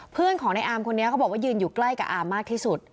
เพื่อนของในอาร์มคนนี้เขาบอกว่ายืนอยู่ใกล้กับอามมากที่สุด